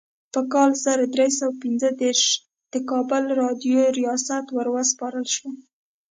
په کال زر درې سوه پنځه دیرش د کابل راډیو ریاست وروسپارل شو.